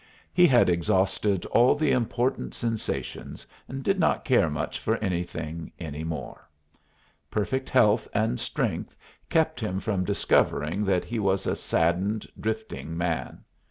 He had exhausted all the important sensations, and did not care much for anything any more. Perfect health and strength kept him from discovering that he was a saddened, drifting man.